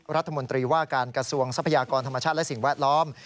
รัฐมนตรีว่าการกระทรวงทรัพยากรธรรมชาติและสิ่งแวดล้อม